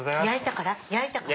焼いたから？